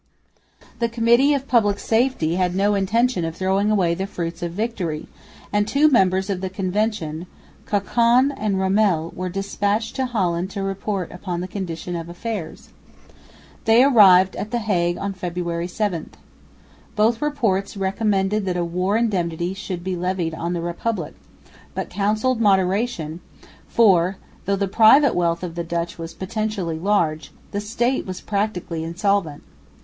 The Committee of Public Safety had no intention of throwing away the fruits of victory; and two members of the Convention, Cochon and Ramel, were despatched to Holland to report upon the condition of affairs. They arrived at the Hague on February 7. Both reports recommended that a war indemnity should be levied on the Republic, but counselled moderation, for, though the private wealth of the Dutch was potentially large, the State was practically insolvent.